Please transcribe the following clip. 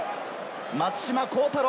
松島幸太朗。